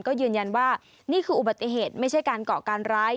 ก็ยืนยันว่านี่คืออุบัติเหตุไม่ใช่การเกาะการร้าย